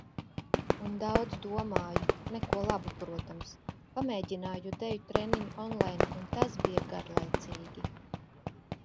Un daudz domāju. Neko labu, protams. Pamēģināju deju treniņu online un tas bija garlaicīgi.